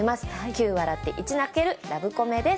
９笑って１泣けるラブコメです。